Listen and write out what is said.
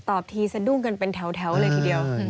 ทีสะดุ้งกันเป็นแถวเลยทีเดียว